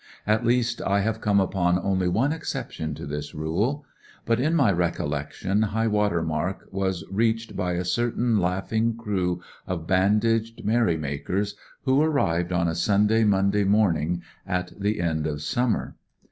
At least, I have come upon only one exception to this rule. But, in my recollection,^ itjh water mark was reached by a certain laughing crew of band aged merry makers, who arrived on a sunny Monday morning at the end of summer.